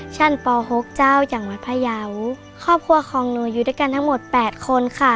ป๖เจ้าจังหวัดพยาวครอบครัวของหนูอยู่ด้วยกันทั้งหมดแปดคนค่ะ